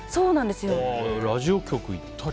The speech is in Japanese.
ラジオ局行ったり？